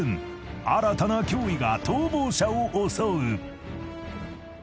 新たな脅威が逃亡者を襲う］